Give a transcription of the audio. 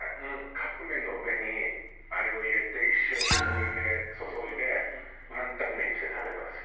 カップ麺の上にあれを入れて一緒にお湯で注いでワンタン麺にして食べるのが好きなのよ。